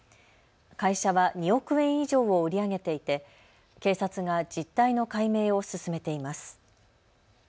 会社は２億円以上を売り上げていて警察が実態の解明を進めています。